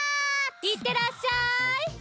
いってらっしゃい！